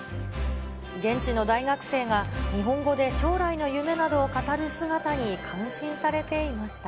現地の大学生が日本語で将来の夢などを語る姿に感心されていました。